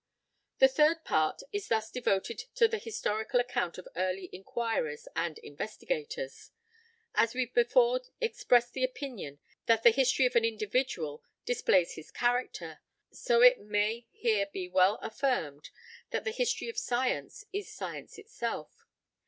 The third part is thus devoted to the historical account of early inquirers and investigators. As we before expressed the opinion that the history of an individual displays his character, so it may here be well affirmed that the history of science is science itself.